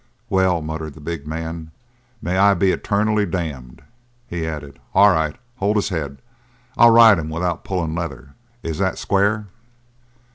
"Well," muttered the big man, "may I be eternally damned!" He added: "All right. Hold his head, and I'll ride him without pulling leather. Is that square?"